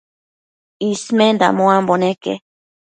Ismenda muambo neque